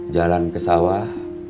jalan ke sawah